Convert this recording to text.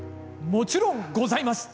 もちろんございます！